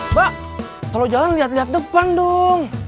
mbak kalau jalan lihat lihat depan dong